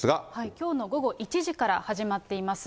きょうの午後１時から始まっています。